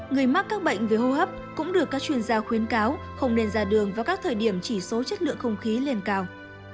người mắc các bệnh về hô hấp cũng được các chuyên gia khuyến cáo không nên ra đường vào các thời điểm chỉ số chất lượng không khí lên cao